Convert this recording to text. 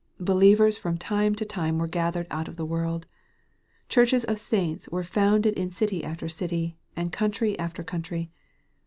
Believers from time to time were gathered out of the world. Churches of saints were founded in city after city, and country after country.